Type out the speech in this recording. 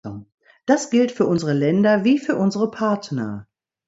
Das gilt für unsere Länder wie für unsere Partner.